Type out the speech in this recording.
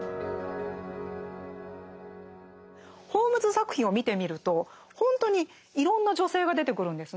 ホームズ作品を見てみると本当にいろんな女性が出てくるんですね。